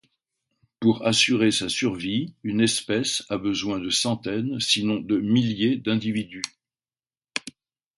Pour assurer sa survie, une espèce a besoin de centaines, sinon de milliers d'individus.